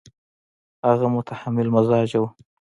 هغه متحمل مزاجه وو.